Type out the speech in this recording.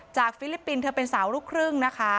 ฟิลิปปินส์เธอเป็นสาวลูกครึ่งนะคะ